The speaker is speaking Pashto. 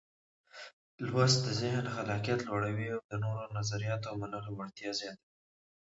لوستل د ذهن خلاقيت لوړوي او د نوو نظریاتو منلو وړتیا زیاتوي.